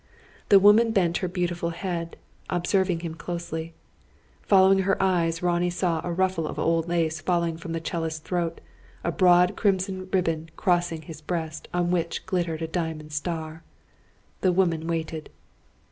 The woman bent her beautiful head, observing him closely. Following her eyes, Ronnie saw a ruffle of old lace falling from the 'cellist's throat, a broad crimson ribbon crossing his breast, on which glittered a diamond star. The woman waited.